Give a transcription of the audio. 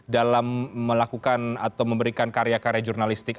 dalam melakukan atau memberikan karya karya jurnalistik